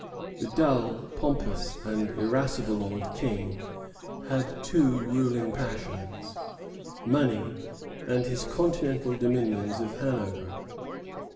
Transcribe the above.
The dull, pompous, and irascible old King had two ruling passions, money, and his Continental dominions of Hanover.